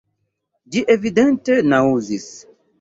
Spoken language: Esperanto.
Ĝi evidente naŭzis.